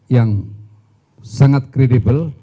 yang sangat kredibel